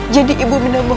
jadi ibu nanda mohon